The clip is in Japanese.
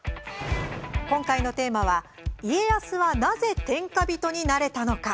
今回のテーマは家康はなぜ天下人になれたのか？